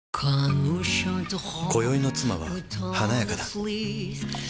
今宵の妻は華やかだ